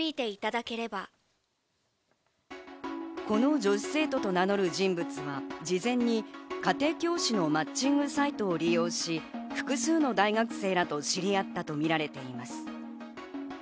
この女子生徒と名乗る人物は事前に家庭教師のマッチングサイトを利用し、複数の大学生らと知り合ったとみられています。